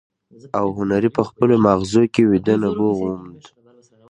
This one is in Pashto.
او هنري په خپلو ماغزو کې ويده نبوغ وموند.